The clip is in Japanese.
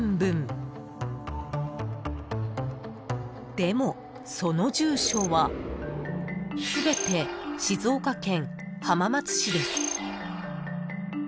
［でもその住所は全て静岡県浜松市です］